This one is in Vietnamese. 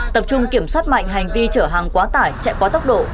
tập trung kiểm soát mạnh hành vi chở hàng quá tải chạy quá tốc độ